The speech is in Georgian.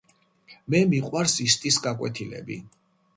მე მიყვარს ისტის გაკვეთილები